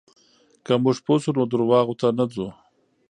که موږ پوه شو، نو درواغو ته نه ځو.